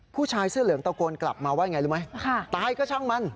ผู้ชายเสื้อเหลืองตะโกนกลับมาว่าไงรู้ไหมตายก็ช่างมัน